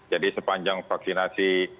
jadi sepanjang vaksinasi